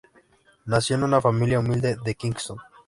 Nació en una familia humilde en Kingston.